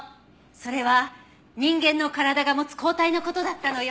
それは人間の体が持つ抗体の事だったのよ。